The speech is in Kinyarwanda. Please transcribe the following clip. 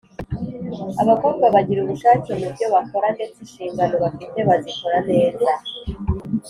Abakobwa bagira ubushake mu byo bakora ndetse inshingano bafite bazikora neza.